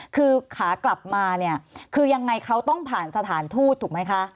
คือขากลับมาเนี่ยคือยังไงเขาต้องผ่านสถานทูตถูกไหมคะ